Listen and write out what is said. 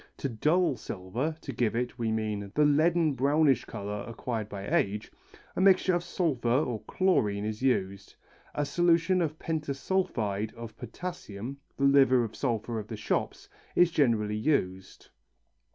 To dull silver to give it, we mean, the leaden brownish colour acquired by age a mixture with sulphur or chlorine is used. A solution of pentasulphide of potassium the liver of sulphur of the shops is generally used.